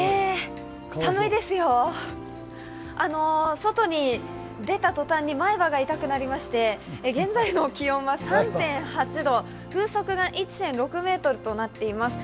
外に出た途端に前歯が痛くなりまして、現在の気温は３．８度、風速が１．６ｍとなっています。